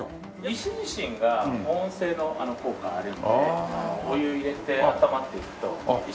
石自身が保温性の効果があるのでお湯入れて温まっていくと石も温まる。